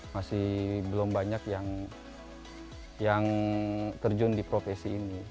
masih belum banyak yang terjun di profesi ini